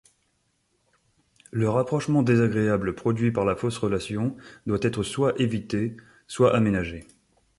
Le rapprochement désagréable produit par la fausse relation doit être soit évité, soit aménagé.